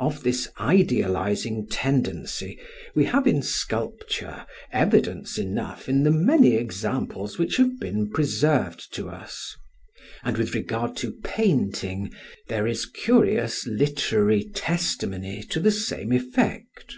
Of this idealising tendency we have in sculpture evidence enough in the many examples which have been preserved to us; and with regard to painting there is curious literary testimony to the same effect.